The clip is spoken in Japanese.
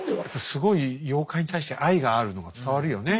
すごい妖怪に対して愛があるのが伝わるよね